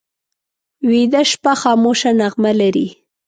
ویده شپه خاموشه نغمه لري